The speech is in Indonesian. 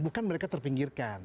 bukan mereka terpinggirkan